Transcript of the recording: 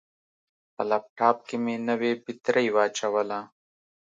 په لپټاپ کې مې نوې بطرۍ واچوله.